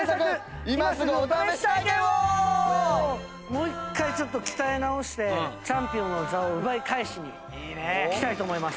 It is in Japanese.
もう１回ちょっと鍛え直してチャンピオンの座を奪い返しに来たいと思います。